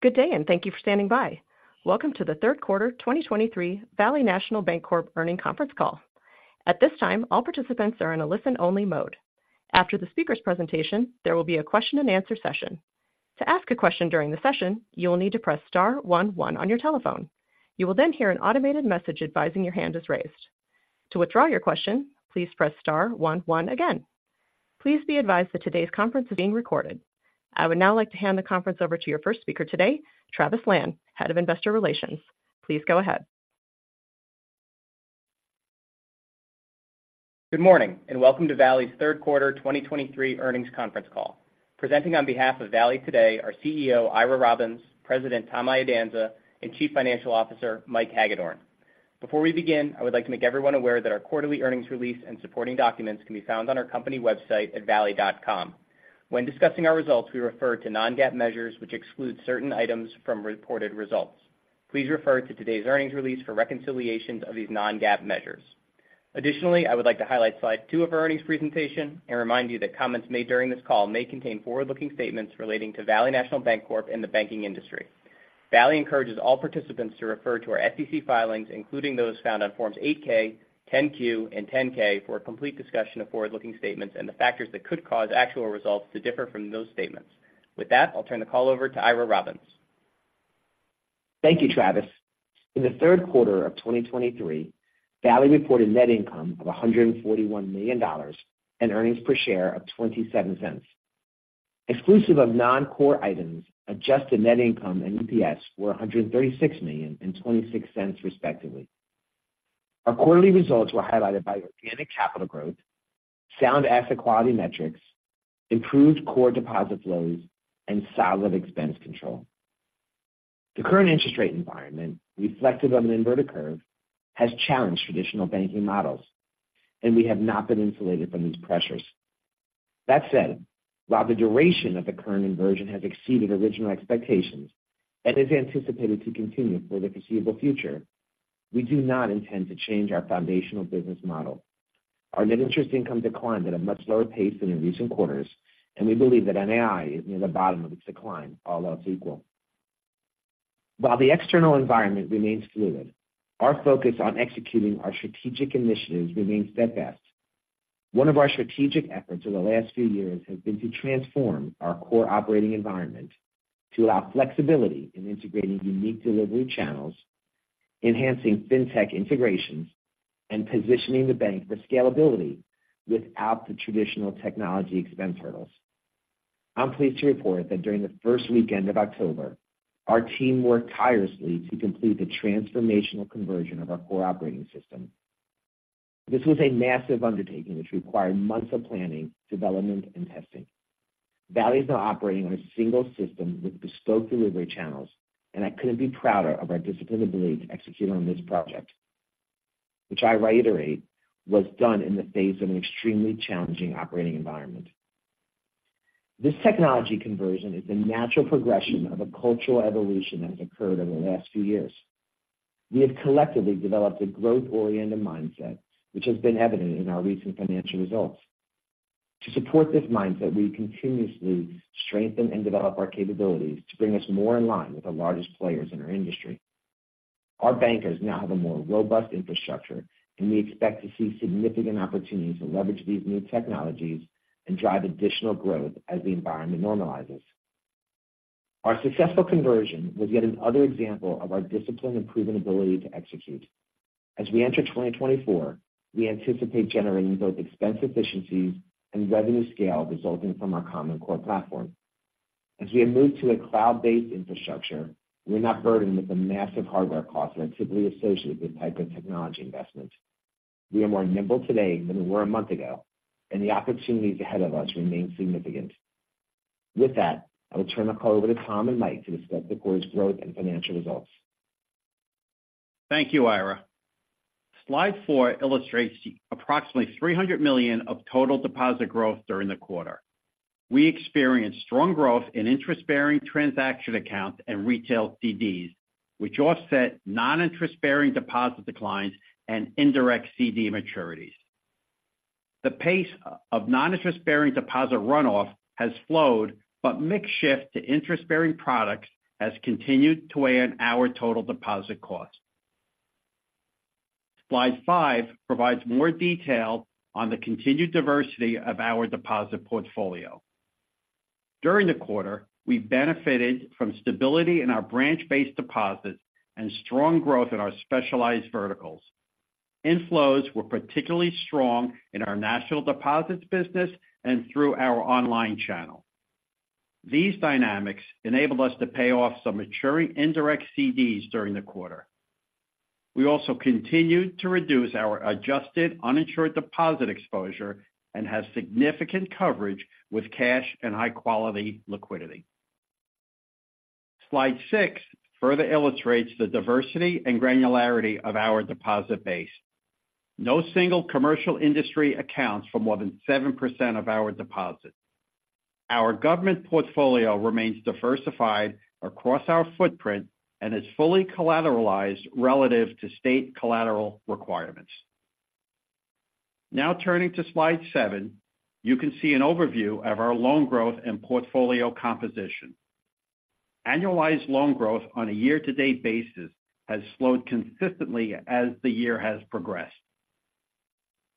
Good day, and thank you for standing by. Welcome to the Third Quarter 2023 Valley National Bancorp Earnings Conference Call. At this time, all participants are in a listen-only mode. After the speaker's presentation, there will be a question-and-answer session. To ask a question during the session, you will need to press star one one on your telephone. You will then hear an automated message advising your hand is raised. To withdraw your question, please press star one one again. Please be advised that today's conference is being recorded. I would now like to hand the conference over to your first speaker today, Travis Lan, Head of Investor Relations. Please go ahead. Good morning, and welcome to Valley's third quarter 2023 earnings conference call. Presenting on behalf of Valley today are CEO, Ira Robbins, President, Tom Iadanza, and Chief Financial Officer, Mike Hagedorn. Before we begin, I would like to make everyone aware that our quarterly earnings release and supporting documents can be found on our company website at valley.com. When discussing our results, we refer to non-GAAP measures, which exclude certain items from reported results. Please refer to today's earnings release for reconciliations of these non-GAAP measures. Additionally, I would like to highlight slide two of our earnings presentation and remind you that comments made during this call may contain forward-looking statements relating to Valley National Bancorp and the banking industry. Valley encourages all participants to refer to our SEC filings, including those found on Forms 8-K, 10-Q, and 10-K, for a complete discussion of forward-looking statements and the factors that could cause actual results to differ from those statements. With that, I'll turn the call over to Ira Robbins. Thank you, Travis. In the third quarter of 2023, Valley reported net income of $141 million and earnings per share of $0.27. Exclusive of non-core items, adjusted net income and EPS were $136 million and $0.26, respectively. Our quarterly results were highlighted by organic capital growth, sound asset quality metrics, improved core deposit flows, and solid expense control. The current interest rate environment, reflected on an inverted curve, has challenged traditional banking models, and we have not been insulated from these pressures. That said, while the duration of the current inversion has exceeded original expectations and is anticipated to continue for the foreseeable future, we do not intend to change our foundational business model. Our net interest income declined at a much lower pace than in recent quarters, and we believe that NII is near the bottom of its decline, all else equal. While the external environment remains fluid, our focus on executing our strategic initiatives remains steadfast. One of our strategic efforts over the last few years has been to transform our core operating environment to allow flexibility in integrating unique delivery channels, enhancing fintech integrations, and positioning the bank for scalability without the traditional technology expense hurdles. I'm pleased to report that during the first weekend of October, our team worked tirelessly to complete the transformational conversion of our core operating system. This was a massive undertaking, which required months of planning, development, and testing. Valley is now operating on a single system with bespoke delivery channels, and I couldn't be prouder of our disciplined ability to execute on this project, which I reiterate, was done in the face of an extremely challenging operating environment. This technology conversion is a natural progression of a cultural evolution that has occurred over the last few years. We have collectively developed a growth-oriented mindset, which has been evident in our recent financial results. To support this mindset, we continuously strengthen and develop our capabilities to bring us more in line with the largest players in our industry. Our bankers now have a more robust infrastructure, and we expect to see significant opportunities to leverage these new technologies and drive additional growth as the environment normalizes. Our successful conversion was yet another example of our discipline and proven ability to execute. As we enter 2024, we anticipate generating both expense efficiencies and revenue scale resulting from our common core platform. As we have moved to a cloud-based infrastructure, we're not burdened with the massive hardware costs that are typically associated with type of technology investments. We are more nimble today than we were a month ago, and the opportunities ahead of us remain significant. With that, I will turn the call over to Tom and Mike to discuss the quarter's growth and financial results. Thank you, Ira. Slide four illustrates the approximately $300 million of total deposit growth during the quarter. We experienced strong growth in interest-bearing transaction accounts and retail CDs, which offset non-interest-bearing deposit declines and indirect CD maturities. The pace of non-interest-bearing deposit runoff has slowed, but mix shift to interest-bearing products has continued to weigh on our total deposit cost. Slide 5 provides more detail on the continued diversity of our deposit portfolio. During the quarter, we benefited from stability in our branch-based deposits and strong growth in our specialized verticals. Inflows were particularly strong in our national deposits business and through our online channel. These dynamics enabled us to pay off some maturing indirect CDs during the quarter. We also continued to reduce our adjusted uninsured deposit exposure and have significant coverage with cash and high-quality liquidity. Slide six further illustrates the diversity and granularity of our deposit base. No single commercial industry accounts for more than 7% of our deposits. Our government portfolio remains diversified across our footprint and is fully collateralized relative to state collateral requirements. Now turning to slide seven, you can see an overview of our loan growth and portfolio composition. Annualized loan growth on a year-to-date basis has slowed consistently as the year has progressed.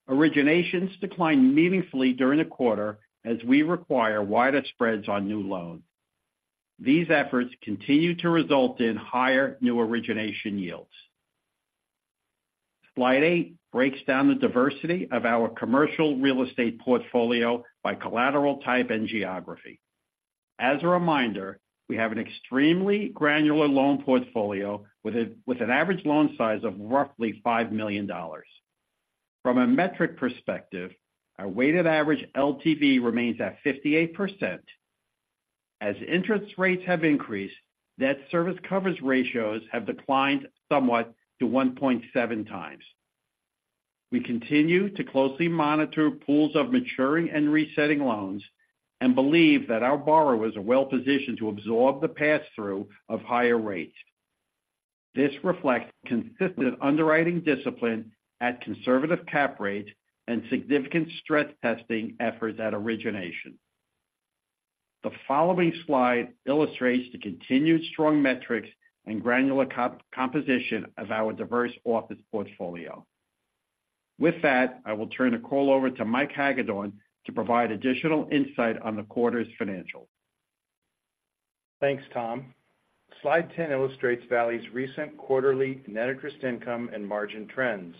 Originations declined meaningfully during the quarter as we require wider spreads on new loans. These efforts continue to result in higher new origination yields. Slide eight breaks down the diversity of our commercial real estate portfolio by collateral type and geography. As a reminder, we have an extremely granular loan portfolio with an average loan size of roughly $5 million. From a metric perspective, our weighted average LTV remains at 58%. As interest rates have increased, debt service coverage ratios have declined somewhat to 1.7x. We continue to closely monitor pools of maturing and resetting loans, and believe that our borrowers are well-positioned to absorb the pass-through of higher rates. This reflects consistent underwriting discipline at conservative cap rates and significant stress testing efforts at origination. The following slide illustrates the continued strong metrics and granular composition of our diverse office portfolio. With that, I will turn the call over to Mike Hagedorn to provide additional insight on the quarter's financials. Thanks, Tom. Slide 10 illustrates Valley's recent quarterly net interest income and margin trends.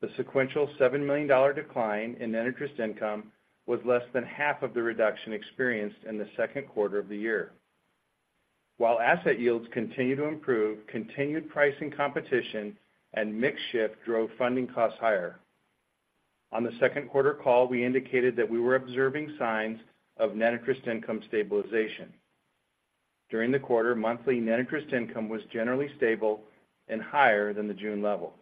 The sequential $7 million decline in net interest income was less than half of the reduction experienced in the second quarter of the year. While asset yields continue to improve, continued pricing competition and mix shift drove funding costs higher. On the second quarter call, we indicated that we were observing signs of net interest income stabilization. During the quarter, monthly net interest income was generally stable and higher than the June level.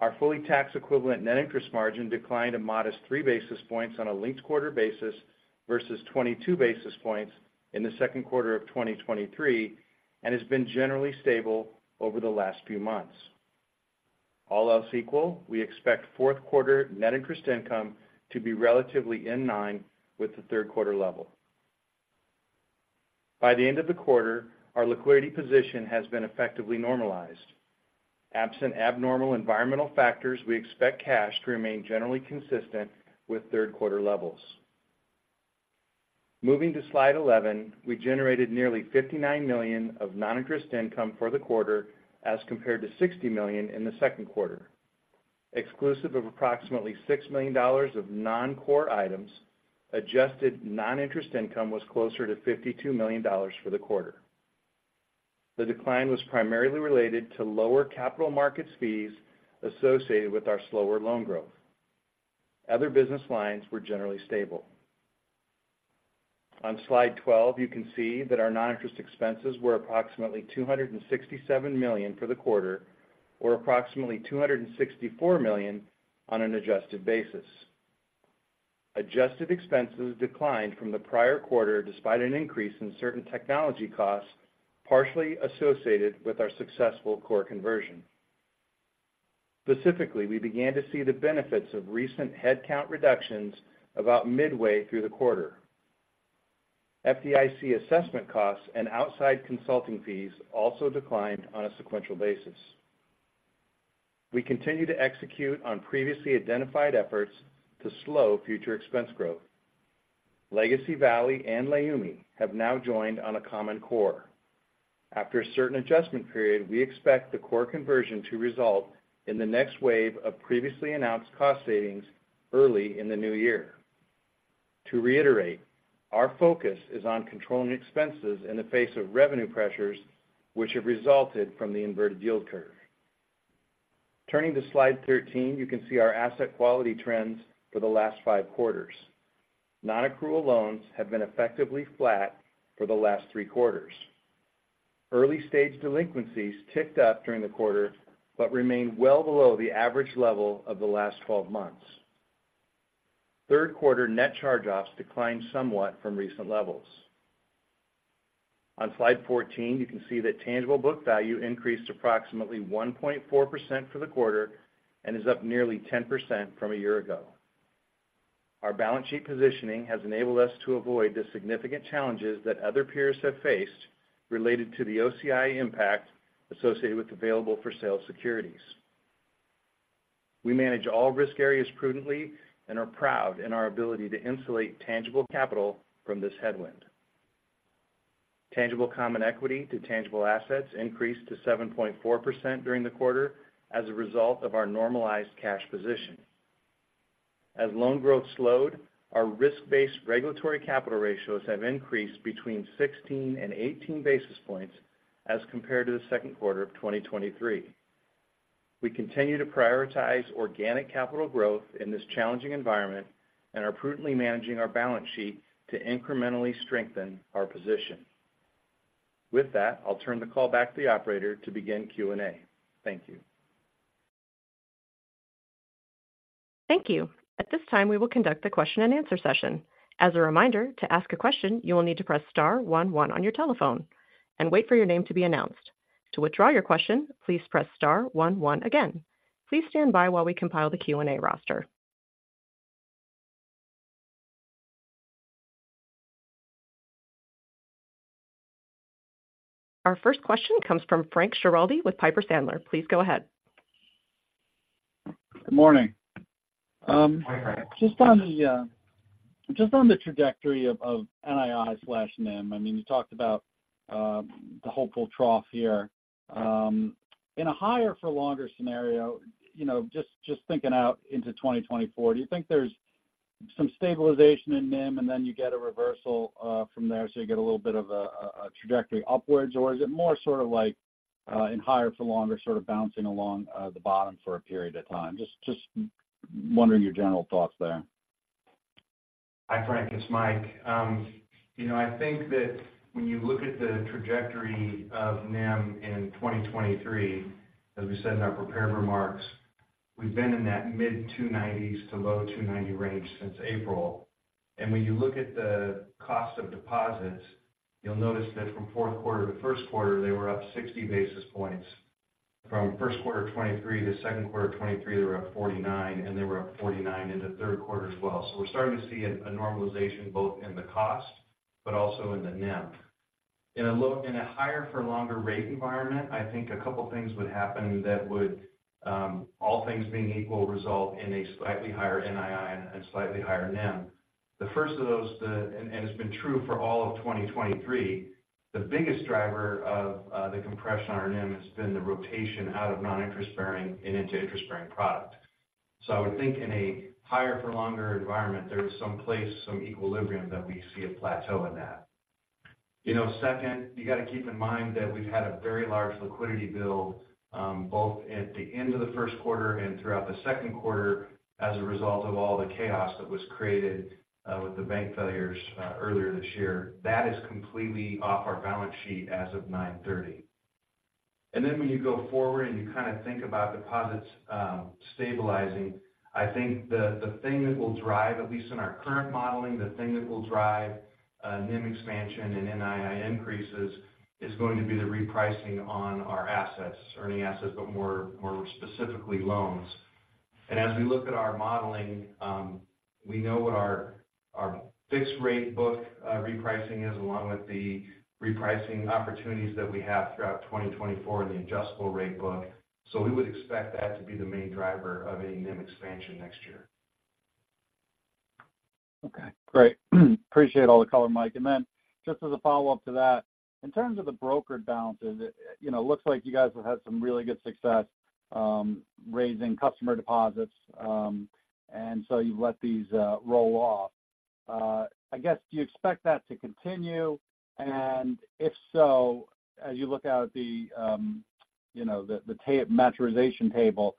Our fully tax-equivalent net interest margin declined a modest 3 basis points on a linked quarter basis versus 22 basis points in the second quarter of 2023, and has been generally stable over the last few months. All else equal, we expect fourth quarter net interest income to be relatively in line with the third quarter level. By the end of the quarter, our liquidity position has been effectively normalized. Absent abnormal environmental factors, we expect cash to remain generally consistent with third quarter levels. Moving to slide 11, we generated nearly $59 million of non-interest income for the quarter, as compared to $60 million in the second quarter. Exclusive of approximately $6 million of non-core items, adjusted non-interest income was closer to $52 million for the quarter. The decline was primarily related to lower capital markets fees associated with our slower loan growth. Other business lines were generally stable. On slide 12, you can see that our non-interest expenses were approximately $267 million for the quarter, or approximately $264 million on an adjusted basis. Adjusted expenses declined from the prior quarter, despite an increase in certain technology costs, partially associated with our successful core conversion. Specifically, we began to see the benefits of recent headcount reductions about midway through the quarter. FDIC assessment costs and outside consulting fees also declined on a sequential basis. We continue to execute on previously identified efforts to slow future expense growth. Legacy Valley and Leumi have now joined on a common core. After a certain adjustment period, we expect the core conversion to result in the next wave of previously announced cost savings early in the new year. To reiterate, our focus is on controlling expenses in the face of revenue pressures, which have resulted from the inverted yield curve. Turning to slide 13, you can see our asset quality trends for the last five quarters. Nonaccrual loans have been effectively flat for the last three quarters. Early-stage delinquencies ticked up during the quarter, but remained well below the average level of the last 12 months. Third quarter net charge-offs declined somewhat from recent levels. On slide 14, you can see that tangible book value increased approximately 1.4% for the quarter and is up nearly 10% from a year ago. Our balance sheet positioning has enabled us to avoid the significant challenges that other peers have faced related to the OCI impact associated with available-for-sale securities. We manage all risk areas prudently and are proud in our ability to insulate tangible capital from this headwind. Tangible common equity to tangible assets increased to 7.4% during the quarter as a result of our normalized cash position. As loan growth slowed, our risk-based regulatory capital ratios have increased between 16 and 18 basis points as compared to the second quarter of 2023. We continue to prioritize organic capital growth in this challenging environment and are prudently managing our balance sheet to incrementally strengthen our position. With that, I'll turn the call back to the operator to begin Q&A. Thank you. Thank you. At this time, we will conduct the question-and-answer session. As a reminder, to ask a question, you will need to press star one one on your telephone and wait for your name to be announced. To withdraw your question, please press star one one again. Please stand by while we compile the Q&A roster. Our first question comes from Frank Schiraldi with Piper Sandler. Please go ahead. Good morning. Just on the, just on the trajectory of, of NII/NIM, I mean, you talked about, the hopeful trough here. In a higher for longer scenario, you know, just, just thinking out into 2024, do you think there's some stabilization in NIM and then you get a reversal, from there, so you get a little bit of a, a trajectory upwards? Or is it more sort of like, in higher for longer, sort of bouncing along, the bottom for a period of time? Just, just wondering your general thoughts there. Hi, Frank, it's Mike. You know, I think that when you look at the trajectory of NIM in 2023, as we said in our prepared remarks, we've been in that mid-2.9%s to low 2.9% range since April. And when you look at the cost of deposits, you'll notice that from fourth quarter to first quarter, they were up 60 basis points. From first quarter of 2023 to second quarter of 2023, they were up 49, and they were up 49 in the third quarter as well. So we're starting to see a normalization both in the cost but also in the NIM. In a higher for longer rate environment, I think a couple of things would happen that would, all things being equal, result in a slightly higher NII and slightly higher NIM. The first of those, the... and it's been true for all of 2023, the biggest driver of the compression on our NIM has been the rotation out of non-interest bearing and into interest-bearing product. So I would think in a higher for longer environment, there is some place, some equilibrium, that we see a plateau in that. You know, second, you got to keep in mind that we've had a very large liquidity build, both at the end of the first quarter and throughout the second quarter, as a result of all the chaos that was created with the bank failures earlier this year. That is completely off our balance sheet as of 9/30. And then when you go forward and you kind of think about deposits, stabilizing, I think the, the thing that will drive, at least in our current modeling, the thing that will drive, NIM expansion and NII increases is going to be the repricing on our assets, earning assets, but more, more specifically, loans. And as we look at our modeling, we know what our, our fixed rate book, repricing is, along with the repricing opportunities that we have throughout 2024 in the adjustable rate book. So we would expect that to be the main driver of any NIM expansion next year. Okay, great. Appreciate all the color, Mike. And then just as a follow-up to that, in terms of the brokered balances, you know, it looks like you guys have had some really good success raising customer deposits, and so you've let these roll off. I guess, do you expect that to continue? And if so, as you look out at the, you know, the maturity table,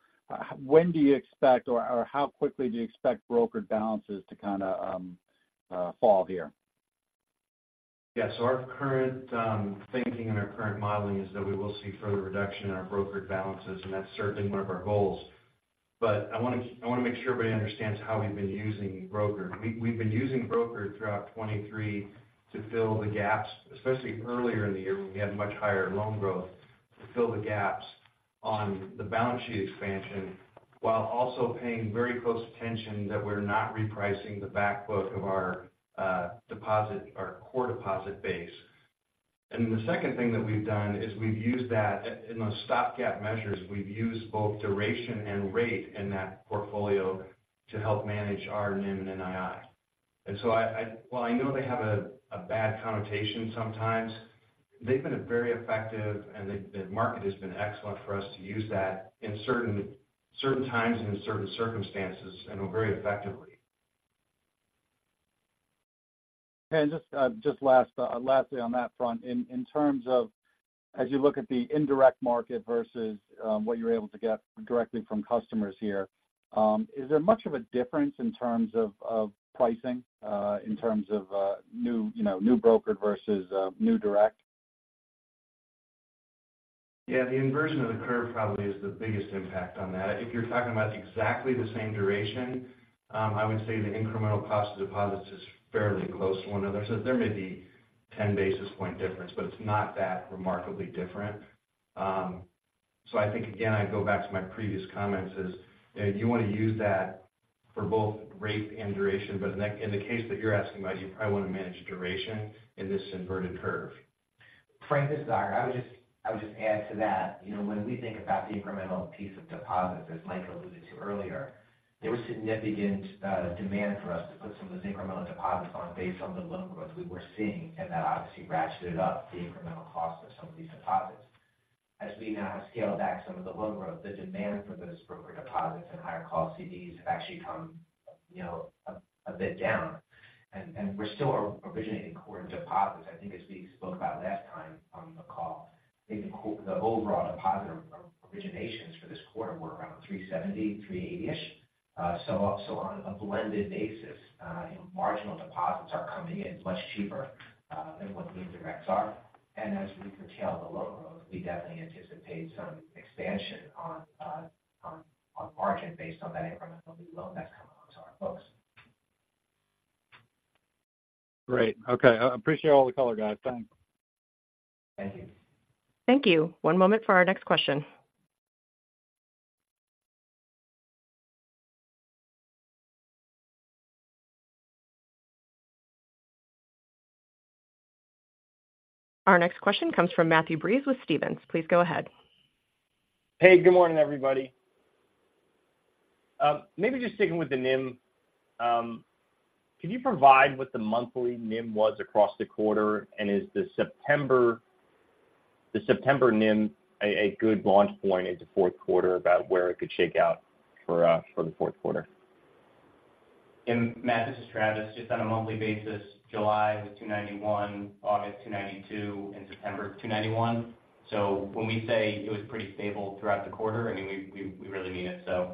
when do you expect or how quickly do you expect brokered balances to kind of fall here? Yeah. So our current thinking and our current modeling is that we will see further reduction in our brokered balances, and that's certainly one of our goals. But I want to, I want to make sure everybody understands how we've been using brokered. We've been using brokered throughout 2023 to fill the gaps, especially earlier in the year when we had much higher loan growth, to fill the gaps on the balance sheet expansion, while also paying very close attention that we're not repricing the back book of our deposit, our core deposit base. And the second thing that we've done is we've used that, in those stopgap measures, we've used both duration and rate in that portfolio to help manage our NIM and NII. I, I-- while I know they have a, a bad connotation sometimes, they've been a very effective, and the, the market has been excellent for us to use that in certain, certain times and in certain circumstances, and very effectively. And just, just last, lastly on that front, in terms of as you look at the indirect market versus what you're able to get directly from customers here, is there much of a difference in terms of pricing, in terms of new, you know, new brokered versus new direct? Yeah, the inversion of the curve probably is the biggest impact on that. If you're talking about exactly the same duration, I would say the incremental cost of deposits is fairly close to one another. So there may be 10 basis point difference, but it's not that remarkably different. So I think, again, I'd go back to my previous comments is, you know, you want to use that for both rate and duration, but in the, in the case that you're asking about, you probably want to manage duration in this inverted curve. Frank, this is Ira. I would just, I would just add to that. You know, when we think about the incremental piece of deposits, as Mike alluded to earlier, there was significant demand for us to put some of those incremental deposits on based on the loan growth we were seeing, and that obviously ratcheted up the incremental cost of some of these deposits. As we now have scaled back some of the loan growth, the demand for those brokered deposits and higher cost CDs have actually come, you know, a bit down. And we're still originating core deposits. I think as we spoke about last time on the call, I think the overall deposit originations for this quarter were around $370 million-$380 million-ish. So, on a blended basis, marginal deposits are coming in much cheaper than what the indirects are. And as we curtail the loan growth, we definitely anticipate some expansion on margin based on that incremental new loan that's coming onto our books.... Great. Okay, I appreciate all the color, guys. Thanks. Thank you. Thank you. One moment for our next question. Our next question comes from Matthew Breese with Stephens. Please go ahead. Hey, good morning, everybody. Maybe just sticking with the NIM. Can you provide what the monthly NIM was across the quarter? Is the September, the September NIM a good launch point into fourth quarter about where it could shake out for the fourth quarter? Matt, this is Travis. Just on a monthly basis, July was 2.91%, August 2.92%, and September 2.91%. So when we say it was pretty stable throughout the quarter, I mean, we really mean it. So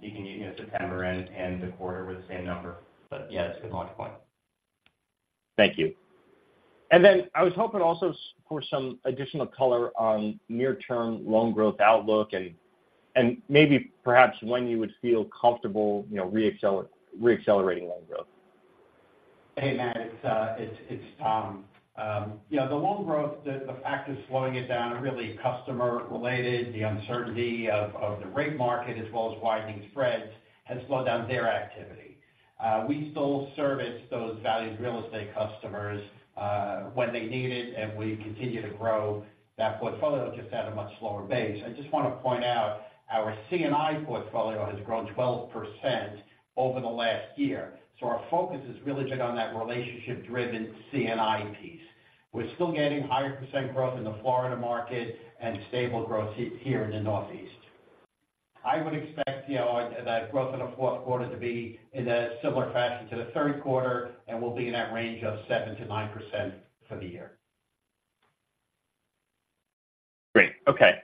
you can use, you know, September and the quarter were the same number. But yeah, it's a good launch point. Thank you. And then I was hoping also for some additional color on near-term loan growth outlook and, maybe perhaps when you would feel comfortable, you know, reaccelerating loan growth? Hey, Matt, it's Tom. Yeah, the loan growth, the fact is slowing it down are really customer related. The uncertainty of the rate market as well as widening spreads has slowed down their activity. We still service those valued real estate customers when they need it, and we continue to grow that portfolio just at a much slower pace. I just want to point out, our C&I portfolio has grown 12% over the last year. So our focus is really just on that relationship-driven C&I piece. We're still getting higher percent growth in the Florida market and stable growth here in the Northeast. I would expect, you know, that growth in the fourth quarter to be in a similar fashion to the third quarter, and we'll be in that range of 7%-9% for the year. Great. Okay.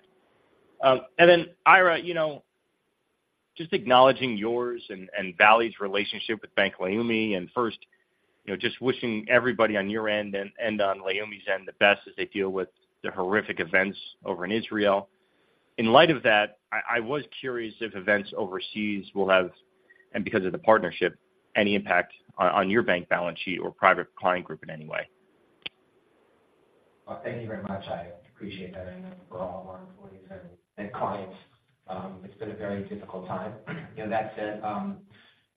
And then, Ira, you know, just acknowledging yours and Valley's relationship with Bank Leumi, and first, you know, just wishing everybody on your end and on Leumi's end, the best as they deal with the horrific events over in Israel. In light of that, I was curious if events overseas will have, and because of the partnership, any impact on your bank balance sheet or private client group in any way? Well, thank you very much. I appreciate that. And for all our employees and clients, it's been a very difficult time. You know, that said,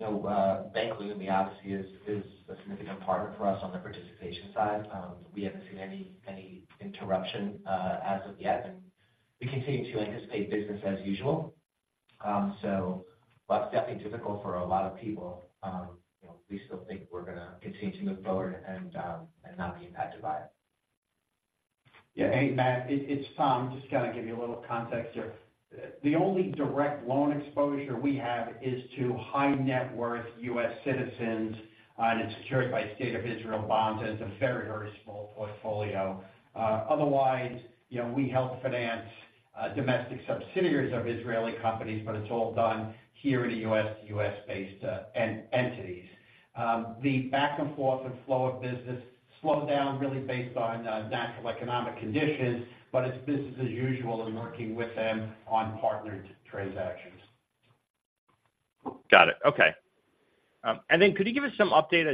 you know, Bank Leumi obviously is a significant partner for us on the participation side. We haven't seen any interruption as of yet, and we continue to anticipate business as usual. So while it's definitely difficult for a lot of people, you know, we still think we're going to continue to move forward and not be impacted by it. Yeah. Hey, Matt, it's Tom. Just kind of give you a little context here. The only direct loan exposure we have is to high net worth U.S. citizens, and it's secured by State of Israel bonds, and it's a very, very small portfolio. Otherwise, you know, we help finance domestic subsidiaries of Israeli companies, but it's all done here in the U.S., U.S.-based entities. The back and forth and flow of business slowed down really based on natural economic conditions, but it's business as usual in working with them on partnered transactions. Got it. Okay. And then could you give us some update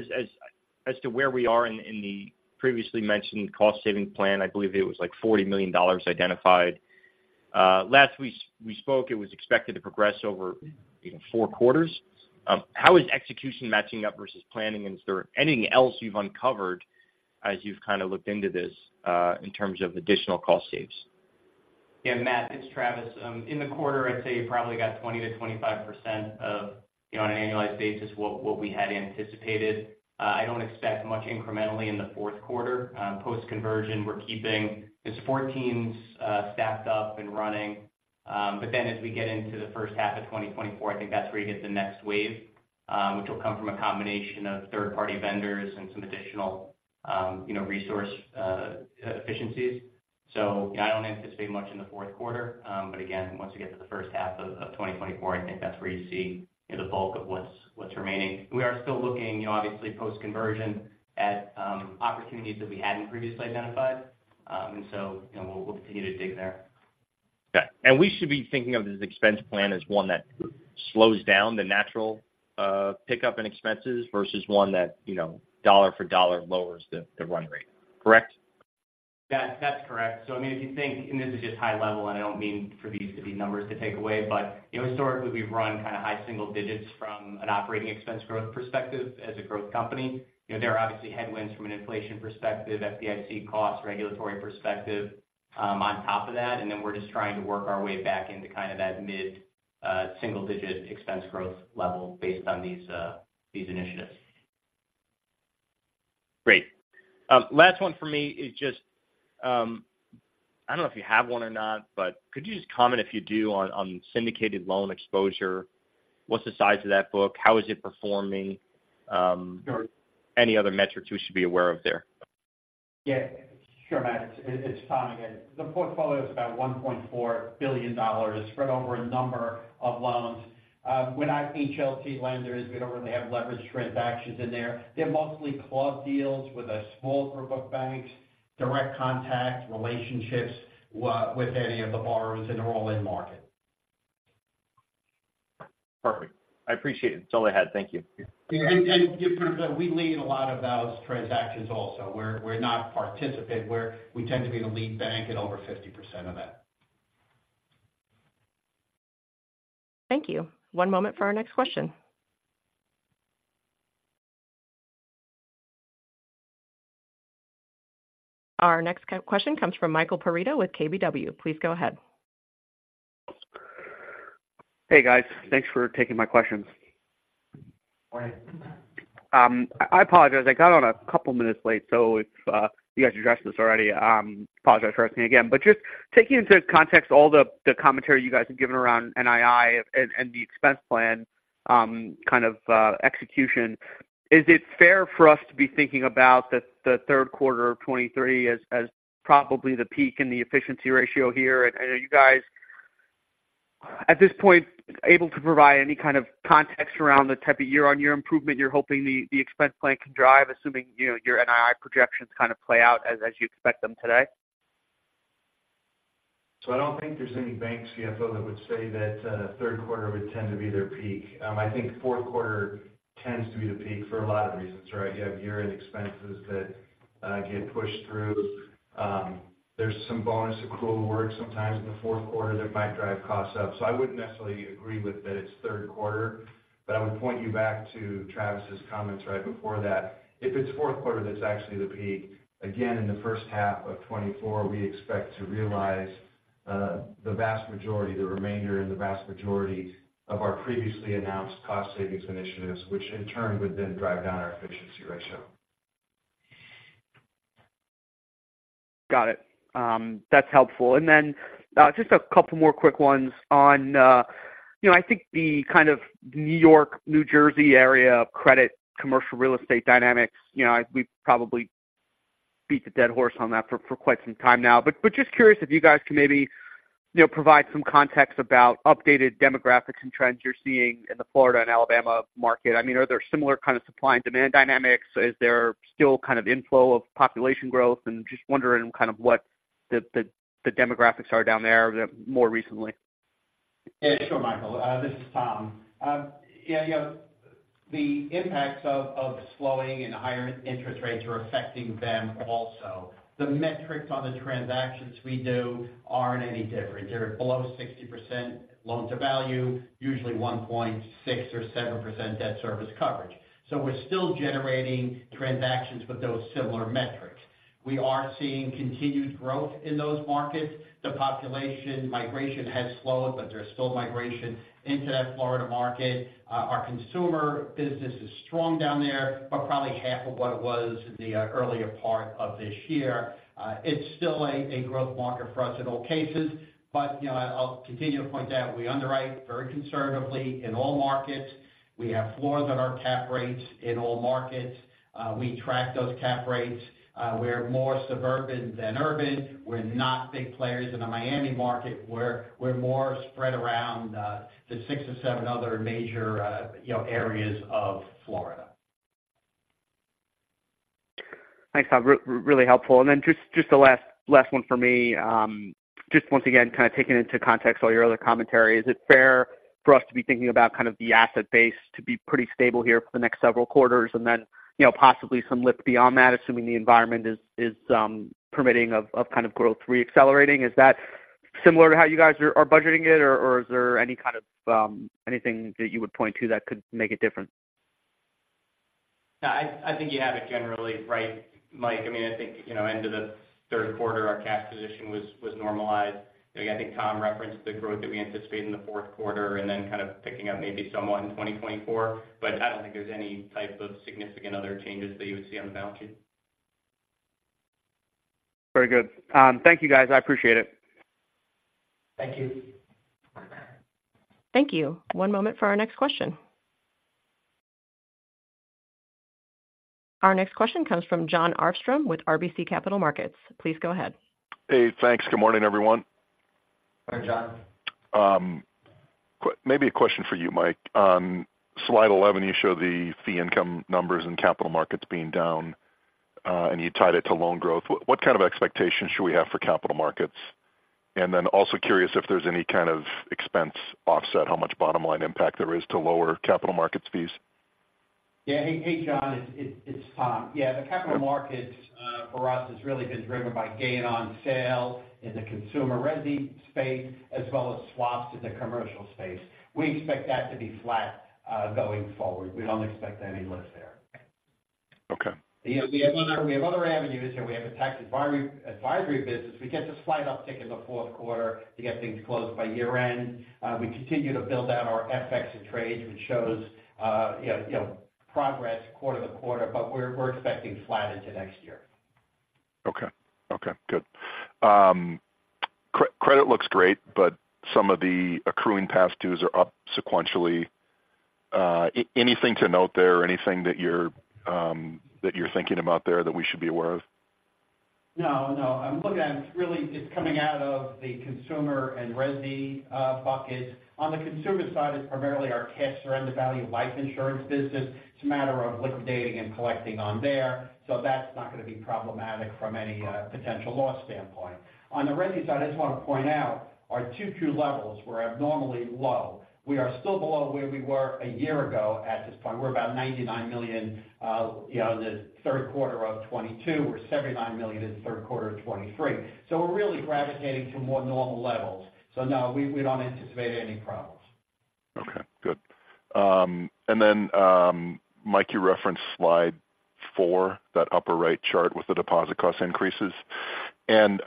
as to where we are in the previously mentioned cost saving plan? I believe it was like $40 million identified. Last we spoke, it was expected to progress over, you know, four quarters. How is execution matching up versus planning? And is there anything else you've uncovered as you've kind of looked into this, in terms of additional cost saves? Yeah, Matt, it's Travis. In the quarter, I'd say you probably got 20%-25% of, you know, on an annualized basis, what, what we had anticipated. I don't expect much incrementally in the fourth quarter. Post-conversion, we're keeping the support teams, staffed up and running. But then as we get into the first half of 2024, I think that's where you hit the next wave, which will come from a combination of third-party vendors and some additional, you know, resource, efficiencies. So I don't anticipate much in the fourth quarter. But again, once we get to the first half of, of 2024, I think that's where you see the bulk of what's, what's remaining. We are still looking, you know, obviously post-conversion at, opportunities that we hadn't previously identified. You know, we'll continue to dig there. Okay. We should be thinking of this expense plan as one that slows down the natural pickup in expenses versus one that, you know, dollar for dollar lowers the run rate, correct? Yeah, that's correct. So, I mean, if you think, and this is just high level, and I don't mean for these to be numbers to take away, but you know, historically, we've run kind of high single digits from an operating expense growth perspective as a growth company. You know, there are obviously headwinds from an inflation perspective, FDIC costs, regulatory perspective, on top of that. And then we're just trying to work our way back into kind of that mid single digit expense growth level based on these initiatives. Great. Last one for me is just, I don't know if you have one or not, but could you just comment, if you do, on, on syndicated loan exposure? What's the size of that book? How is it performing? Or any other metrics we should be aware of there? Yeah, sure, Matt. It's, it's Tom again. The portfolio is about $1.4 billion spread over a number of loans. We're not HLT lenders. We don't really have leveraged transactions in there. They're mostly club deals with a small group of banks, direct contact, relationships, with any of the borrowers, and they're all in market.... Perfect. I appreciate it. That's all I had. Thank you. And just we lead a lot of those transactions also. We're not participant. We tend to be the lead bank in over 50% of that. Thank you. One moment for our next question. Our next question comes from Michael Perito with KBW. Please go ahead. Hey, guys. Thanks for taking my questions. Morning. I apologize. I got on a couple of minutes late, so if you guys addressed this already, apologize for asking again. But just taking into context all the commentary you guys have given around NII and the expense plan, kind of execution, is it fair for us to be thinking about the third quarter of 2023 as probably the peak in the efficiency ratio here? And are you guys, at this point, able to provide any kind of context around the type of year-on-year improvement you're hoping the expense plan can drive, assuming, you know, your NII projections kind of play out as you expect them today? So I don't think there's any bank CFO that would say that, third quarter would tend to be their peak. I think fourth quarter tends to be the peak for a lot of reasons, right? You have year-end expenses that get pushed through. There's some bonus accrual work sometimes in the fourth quarter that might drive costs up. So I wouldn't necessarily agree with that it's third quarter, but I would point you back to Travis's comments right before that. If it's fourth quarter, that's actually the peak, again, in the first half of 2024, we expect to realize the vast majority, the remainder and the vast majority of our previously announced cost savings initiatives, which in turn would then drive down our efficiency ratio. Got it. That's helpful. And then, just a couple more quick ones on, you know, I think the kind of New York, New Jersey area of credit, commercial real estate dynamics, you know, we've probably beat the dead horse on that for quite some time now. But just curious if you guys can maybe, you know, provide some context about updated demographics and trends you're seeing in the Florida and Alabama market. I mean, are there similar kind of supply and demand dynamics? Is there still kind of inflow of population growth? And just wondering kind of what the demographics are down there more recently. Yeah, sure, Michael. This is Tom. Yeah, you know, the impacts of slowing and higher interest rates are affecting them also. The metrics on the transactions we do aren't any different. They're below 60% loan-to-value, usually 1.6% or 1.7% debt service coverage. So we're still generating transactions with those similar metrics. We are seeing continued growth in those markets. The population migration has slowed, but there's still migration into that Florida market. Our consumer business is strong down there, but probably half of what it was in the earlier part of this year. It's still a growth market for us in all cases. But, you know, I'll continue to point out, we underwrite very conservatively in all markets. We have floors on our cap rates in all markets. We track those cap rates. We're more suburban than urban. We're not big players in the Miami market, we're more spread around the six or seven other major, you know, areas of Florida. Thanks, Tom. Really helpful. And then just the last one for me. Just once again, kind of taking into context all your other commentary, is it fair for us to be thinking about kind of the asset base to be pretty stable here for the next several quarters and then, you know, possibly some lift beyond that, assuming the environment is permitting of kind of growth reaccelerating? Is that similar to how you guys are budgeting it, or is there any kind of anything that you would point to that could make it different? No, I think you have it generally right, Mike. I mean, I think, you know, end of the third quarter, our cash position was normalized. Again, I think Tom referenced the growth that we anticipate in the fourth quarter and then kind of picking up maybe somewhat in 2024. But I don't think there's any type of significant other changes that you would see on the balance sheet. Very good. Thank you, guys. I appreciate it. Thank you. Thank you. One moment for our next question. Our next question comes from Jon Arfstrom with RBC Capital Markets. Please go ahead. Hey, thanks. Good morning, everyone. Morning, John. Maybe a question for you, Mike. On slide 11, you show the fee income numbers and capital markets being down, and you tied it to loan growth. What kind of expectation should we have for capital markets? And then also curious if there's any kind of expense offset, how much bottom line impact there is to lower capital markets fees. Yeah. Hey, Jon, it's Tom. Yeah, the capital markets, for us, has really been driven by gain on sale in the consumer resi space, as well as swaps in the commercial space. We expect that to be flat, going forward. We don't expect any lift there. Okay. You know, we have other, we have other avenues, and we have a tax advisory, advisory business. We get a slight uptick in the fourth quarter to get things closed by year-end. We continue to build out our FX and trades, which shows, you know, you know, progress quarter to quarter, but we're, we're expecting flat into next year. Okay. Okay, good. Credit looks great, but some of the accruing past dues are up sequentially. Anything to note there or anything that you're thinking about there that we should be aware of?... No, no, I'm looking at it, really, it's coming out of the consumer and resi buckets. On the consumer side, it's primarily our cash surrender value life insurance business. It's a matter of liquidating and collecting on there, so that's not going to be problematic from any potential loss standpoint. On the resi side, I just want to point out, our 2Q levels were abnormally low. We are still below where we were a year ago at this point. We're about $99 million, you know, the third quarter of 2022, we're $79 million in the third quarter of 2023. So we're really gravitating to more normal levels. So no, we, we don't anticipate any problems. Okay, good. And then, Mike, you referenced slide four, that upper right chart with the deposit cost increases. And,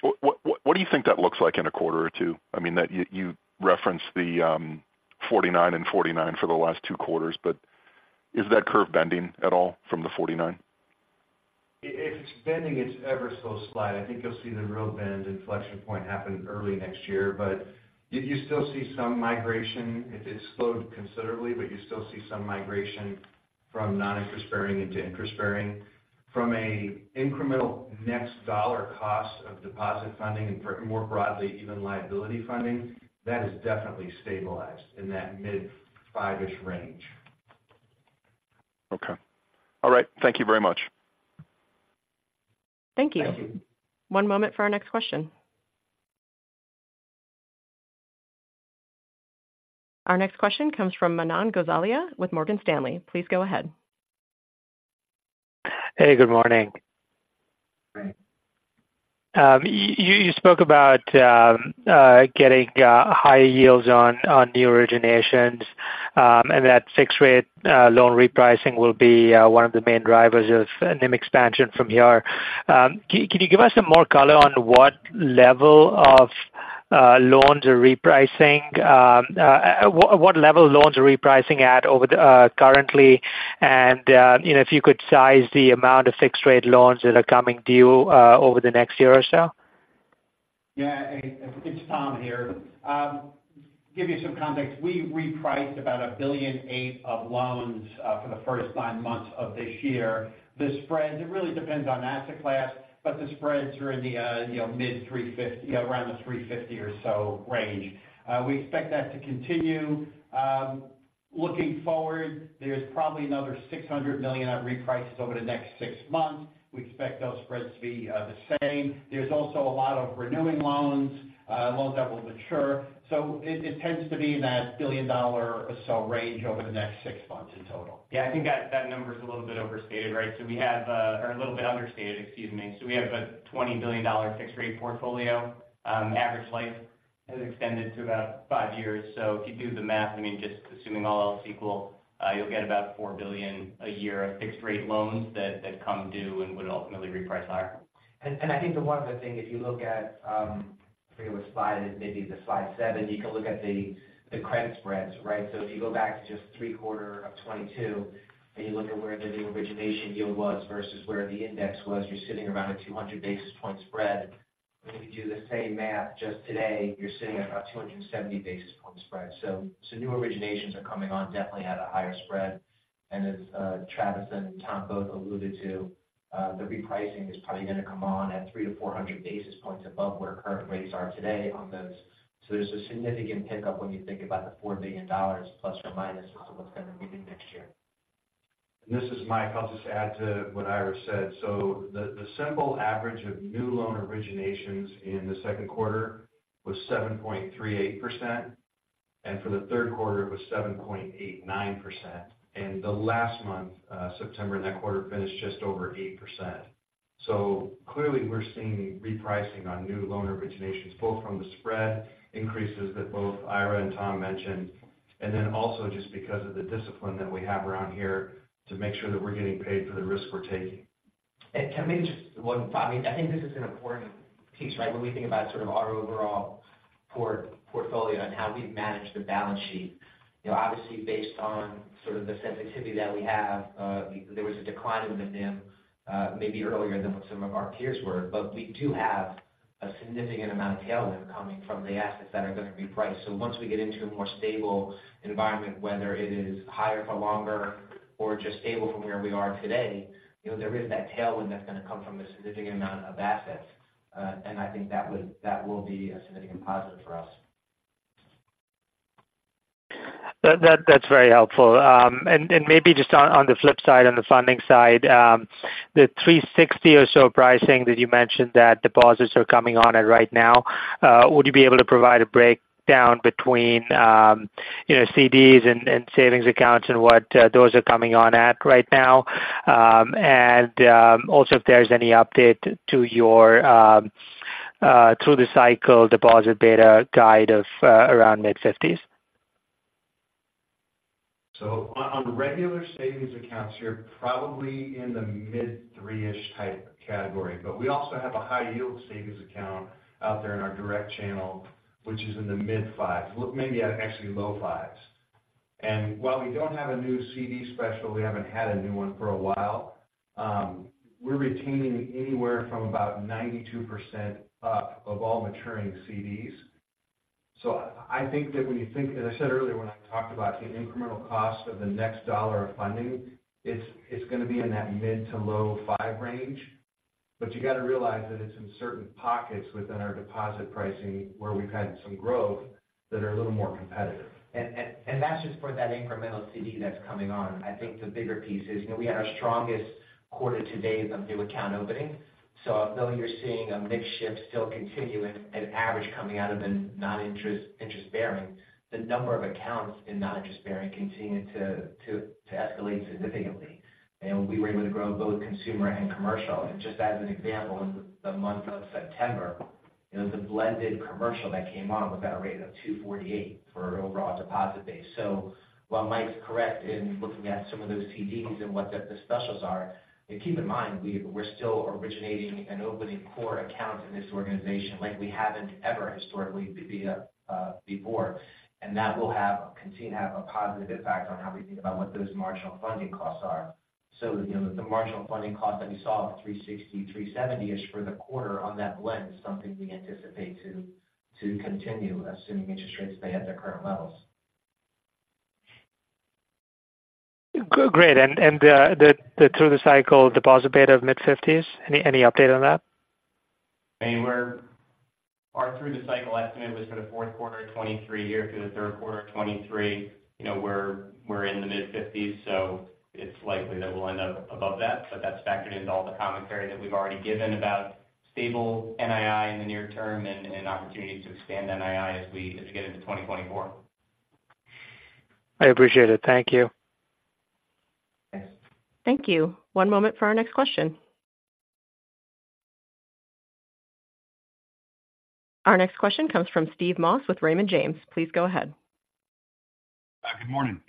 what, what, what do you think that looks like in a quarter or two? I mean, that you, you referenced the, 49 and 49 for the last two quarters, but is that curve bending at all from the 49? If it's bending, it's ever so slight. I think you'll see the real bend and inflection point happen early next year. But you, you still see some migration. It has slowed considerably, but you still see some migration from non-interest bearing into interest bearing. From a incremental next dollar cost of deposit funding, and more broadly, even liability funding, that has definitely stabilized in that mid 5%-ish range. Okay. All right. Thank you very much. Thank you. Thank you. One moment for our next question. Our next question comes from Manan Gosalia with Morgan Stanley. Please go ahead. Hey, good morning. Hi. You spoke about getting higher yields on new originations, and that fixed rate loan repricing will be one of the main drivers of NIM expansion from here. Can you give us some more color on what level of loans are repricing? What level loans are repricing at over the currently, and you know, if you could size the amount of fixed rate loans that are coming due over the next year or so? Yeah, it, it's Tom here. Give you some context. We repriced about $1.8 billion of loans for the first nine months of this year. The spreads, it really depends on asset class, but the spreads are in the, you know, mid-350, around the 350 or so range. We expect that to continue. Looking forward, there's probably another $600 million on reprice over the next six months. We expect those spreads to be the same. There's also a lot of renewing loans, loans that will mature, so it, it tends to be in that $1 billion or so range over the next six months in total. Yeah, I think that number is a little bit overstated, right? So we have, or a little bit understated, excuse me. So we have a $20 billion fixed rate portfolio. Average life has extended to about five years. So if you do the math, I mean, just assuming all else equal, you'll get about $4 billion a year of fixed rate loans that come due and would ultimately reprice higher. I think the one other thing, if you look at, I forget what slide it is, maybe slide seven, you can look at the credit spreads, right? If you go back to just third quarter of 2022, and you look at where the new origination yield was versus where the index was, you're sitting around a 200 basis point spread. When you do the same math just today, you're sitting at about 270 basis point spread. New originations are coming on definitely at a higher spread. As Travis and Tom both alluded to, the repricing is probably going to come on at 300-400 basis points above where current rates are today on those. There's a significant pickup when you think about the $4 billion ± what's going to be due next year. This is Mike. I'll just add to what Ira said. So the simple average of new loan originations in the second quarter was 7.38%, and for the third quarter, it was 7.89%. And the last month, September, that quarter finished just over 8%. So clearly, we're seeing repricing on new loan originations, both from the spread increases that both Ira and Tom mentioned, and then also just because of the discipline that we have around here to make sure that we're getting paid for the risk we're taking. And can I maybe just one thought. I think this is an important piece, right? When we think about sort of our overall portfolio and how we manage the balance sheet. You know, obviously, based on sort of the sensitivity that we have, there was a decline in the NIM, maybe earlier than what some of our peers were, but we do have a significant amount of tailwind coming from the assets that are going to reprice. So once we get into a more stable environment, whether it is higher for longer or just stable from where we are today, you know, there is that tailwind that's going to come from a significant amount of assets, and I think that will be a significant positive for us. That, that's very helpful. And maybe just on the flip side, on the funding side, the 3.60% or so pricing that you mentioned, that deposits are coming on at right now, would you be able to provide a breakdown between, you know, CDs and savings accounts and what those are coming on at right now? And also, if there's any update to your through the cycle deposit beta guide of around mid-50%s. So on regular savings accounts, you're probably in the mid-3%-ish type category, but we also have a high yield savings account out there in our direct channel, which is in the mid-5%, maybe at actually low 5%s. And while we don't have a new CD special, we haven't had a new one for a while, we're retaining anywhere from about 92% up of all maturing CDs.... So I think that when you think, as I said earlier, when I talked about the incremental cost of the next dollar of funding, it's gonna be in that mid- to low-5% range. But you got to realize that it's in certain pockets within our deposit pricing where we've had some growth that are a little more competitive. And that's just for that incremental CD that's coming on. I think the bigger piece is, you know, we had our strongest quarter to date of new account opening. So although you're seeing a mix shift still continue in an average coming out of a non-interest-bearing, the number of accounts in non-interest-bearing continued to escalate significantly. And we were able to grow both consumer and commercial. Just as an example, in the month of September, it was a blended commercial that came on with at a rate of 2.48% for our overall deposit base. So while Mike's correct in looking at some of those CDs and what the specials are, and keep in mind, we're still originating and opening core accounts in this organization like we haven't ever historically before. That will have, continue to have a positive impact on how we think about what those marginal funding costs are. So, you know, the marginal funding cost that you saw, the 360, 370-ish for the quarter on that blend is something we anticipate to, to continue assuming interest rates stay at their current levels. Great. And the through-the-cycle deposit beta of mid-50%s, any update on that? I mean, our through the cycle estimate was for the fourth quarter of 2023 to the third quarter of 2023. You know, we're, we're in the mid-50%s, so it's likely that we'll end up above that. But that's factored into all the commentary that we've already given about stable NII in the near term and, and opportunity to expand NII as we, as we get into 2024. I appreciate it. Thank you. Thanks. Thank you. One moment for our next question. Our next question comes from Steve Moss with Raymond James. Please go ahead. Good morning.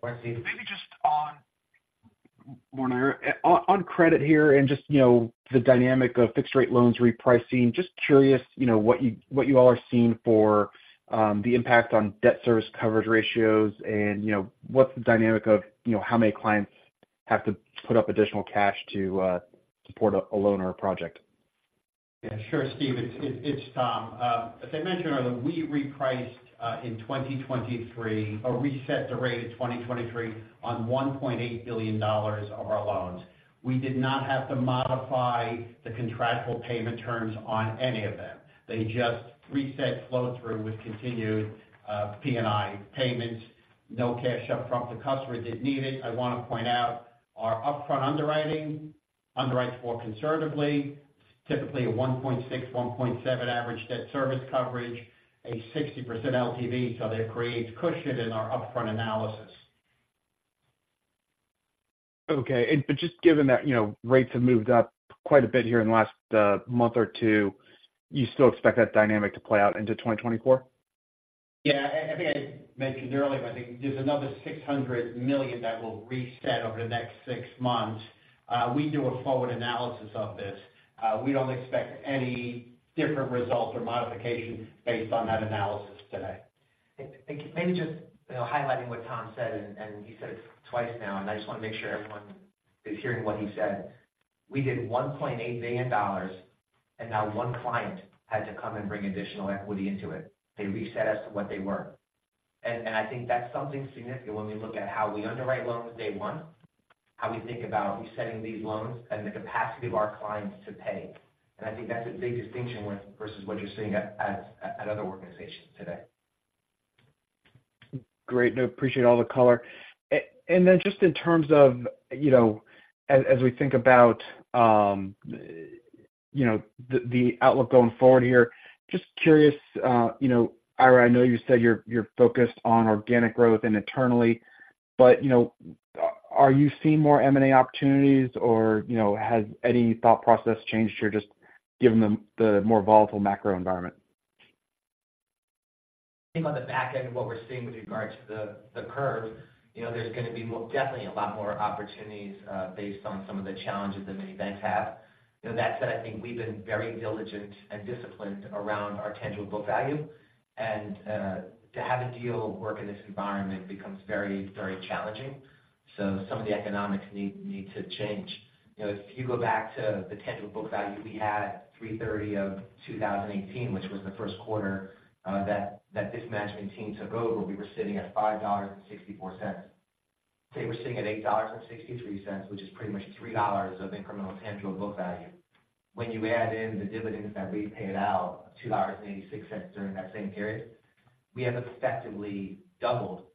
Morning, Steve. Maybe just on, morning, Ira. On credit here and just, you know, the dynamic of fixed rate loans repricing. Just curious, you know, what you all are seeing for the impact on debt service coverage ratios and, you know, what's the dynamic of, you know, how many clients have to put up additional cash to support a loan or a project? Yeah, sure, Steve. It's, it's, it's Tom. As I mentioned earlier, we repriced in 2023 or reset the rate in 2023 on $1.8 billion of our loans. We did not have to modify the contractual payment terms on any of them. They just reset flow through with continued P&I payments. No cash upfront to customers if needed. I want to point out our upfront underwriting underwrites more conservatively, typically a 1.6x, 1.7x average debt service coverage, a 60% LTV, so that creates cushion in our upfront analysis. Okay. Just given that, you know, rates have moved up quite a bit here in the last month or two, you still expect that dynamic to play out into 2024? Yeah, I think I mentioned earlier, but I think there's another $600 million that will reset over the next six months. We do a forward analysis of this. We don't expect any different results or modifications based on that analysis today. Maybe just, you know, highlighting what Tom said, and he said it twice now, and I just want to make sure everyone is hearing what he said. We did $1.8 billion, and not one client had to come and bring additional equity into it. They reset as to what they were. And I think that's something significant when we look at how we underwrite loans day one, how we think about resetting these loans and the capacity of our clients to pay. And I think that's a big distinction with versus what you're seeing at other organizations today. Greatly appreciate all the color. And then just in terms of, you know, as, as we think about, you know, the, the outlook going forward here, just curious, you know, Ira, I know you said you're, you're focused on organic growth and internally, but, you know, are you seeing more M&A opportunities or, you know, has any thought process changed here, just given the, the more volatile macro environment? I think on the back end of what we're seeing with regards to the curve, you know, there's gonna be more, definitely a lot more opportunities based on some of the challenges that many banks have. You know, that said, I think we've been very diligent and disciplined around our tangible book value. And to have a deal work in this environment becomes very, very challenging. So some of the economics need to change. You know, if you go back to the tangible book value, we had 3/30 of 2018, which was the first quarter that this management team took over, we were sitting at $5.64. Today, we're sitting at $8.63, which is pretty much $3 of incremental tangible book value. When you add in the dividends that we paid out, $2.86 during that same period, we have effectively doubled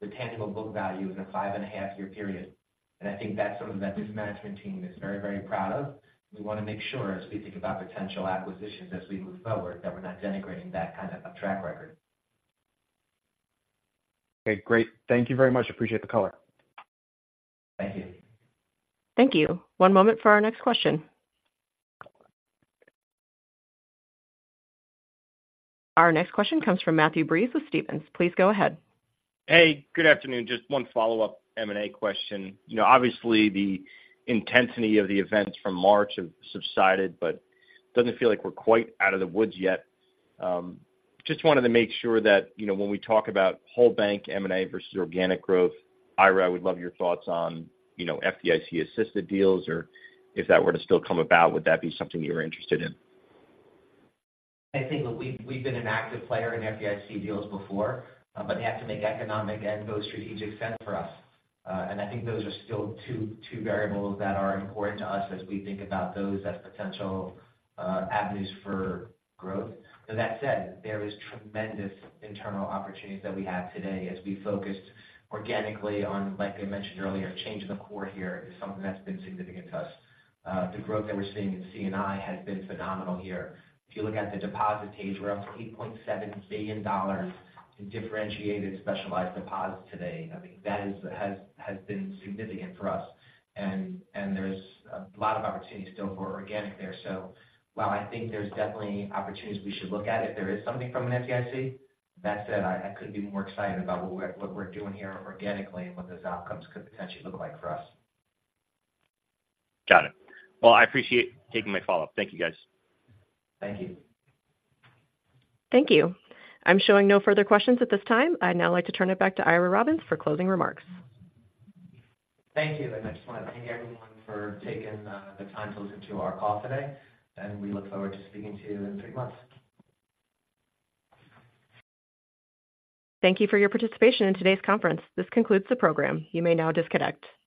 the tangible book value in a 5.5 year period. And I think that's something that this management team is very, very proud of. We want to make sure as we think about potential acquisitions as we move forward, that we're not denigrating that kind of a track record. Okay, great. Thank you very much. Appreciate the color. Thank you. Thank you. One moment for our next question. Our next question comes from Matthew Breese with Stephens. Please go ahead. Hey, good afternoon. Just one follow-up M&A question. You know, obviously, the intensity of the events from March have subsided, but doesn't feel like we're quite out of the woods yet. Just wanted to make sure that, you know, when we talk about whole bank M&A versus organic growth, Ira, I would love your thoughts on, you know, FDIC-assisted deals, or if that were to still come about, would that be something you were interested in? I think we've been an active player in FDIC deals before, but they have to make economic and both strategic sense for us. I think those are still two variables that are important to us as we think about those as potential avenues for growth. That said, there is tremendous internal opportunities that we have today as we focused organically on, like I mentioned earlier, changing the core here is something that's been significant to us. The growth that we're seeing in C&I has been phenomenal here. If you look at the deposit page, we're up to $8.7 billion in differentiated specialized deposits today. I think that has been significant for us, and there's a lot of opportunity still for organic there. So while I think there's definitely opportunities we should look at, if there is something from an FDIC. That said, I couldn't be more excited about what we're doing here organically and what those outcomes could potentially look like for us. Got it. Well, I appreciate you taking my follow-up. Thank you, guys. Thank you. Thank you. I'm showing no further questions at this time. I'd now like to turn it back to Ira Robbins for closing remarks. Thank you, and I just want to thank everyone for taking the time to listen to our call today, and we look forward to speaking to you in three months. Thank you for your participation in today's conference. This concludes the program. You may now disconnect.